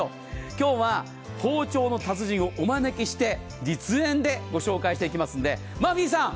今日は包丁の達人をお招きして実演でご紹介していきますのでマーフィーさん！